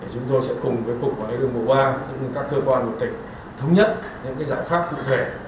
chúng tôi sẽ cùng với cục quản lý đường bộ ba các cơ quan vụ tỉnh thống nhất những giải pháp cụ thể